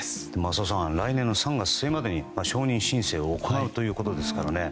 浅尾さん、来月までに承認申請を行うということですからね。